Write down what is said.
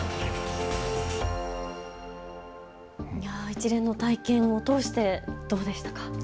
一連の体験を通してどうでしたか。